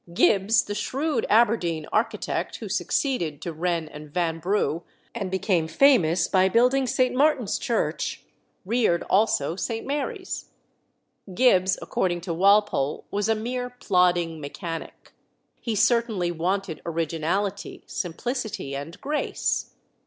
Gibbs, the shrewd Aberdeen architect, who succeeded to Wren and Vanbrugh, and became famous by building St. Martin's Church, reared also St. Mary's. Gibbs, according to Walpole, was a mere plodding mechanic. He certainly wanted originality, simplicity, and grace.